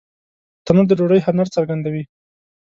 تنور د ډوډۍ هنر څرګندوي